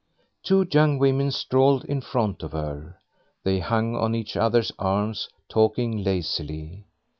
Two young women strolled in front of her. They hung on each other's arms, talking lazily.